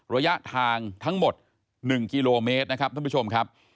ระยะทางทั้งหมด๑กิโลเมตรนะครับท่านผู้ชมครับ